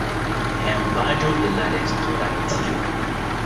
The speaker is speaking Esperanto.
Hejmpaĝo de la restoracio.